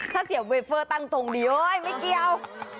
ถ้าเสียเวเฟอร์ตั้งตรงเดียวเอ้ยไม่เกี่ยว